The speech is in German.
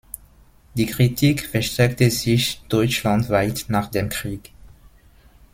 Die Kritik verstärkte sich deutschlandweit nach dem Krieg.